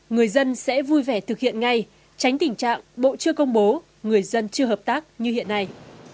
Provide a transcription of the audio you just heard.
người dân sẽ vui vẻ thực hiện ngay tránh tình trạng bộ chưa công bố người dân chưa hợp tác như hiện nay